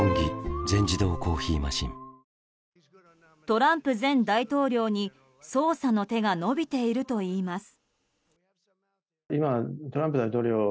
トランプ前大統領に捜査の手が伸びているといいます。